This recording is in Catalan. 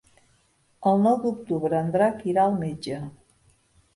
El nou d'octubre en Drac irà al metge.